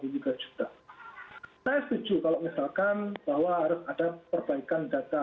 saya setuju kalau misalkan bahwa harus ada perbaikan data